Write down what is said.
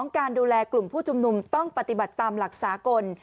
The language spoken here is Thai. การดูแลกลุ่มผู้ชุมนุมต้องปฏิบัติตามหลักสากล